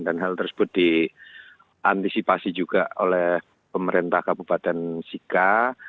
dan hal tersebut diantisipasi juga oleh pemerintah kabupaten sika